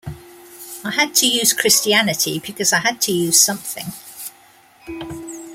I had to use Christianity because I had to use something.